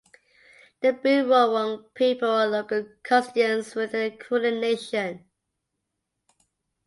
The Boon Wurrung people are local custodians within the Kulin nation.